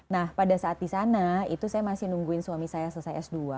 nah pada saat di sana itu saya masih nungguin suami saya selesai s dua